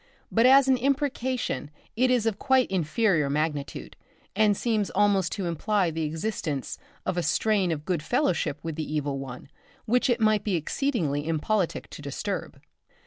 But as an imprecation it is of quite inferior magnitude, and seems almost to imply the existence of a strain of good fellowship with the Evil One which it might be exceedingly impolitic to disturb.